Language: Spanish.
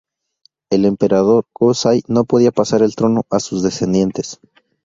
El emperador Go-Sai no podía pasar el trono a sus descendientes.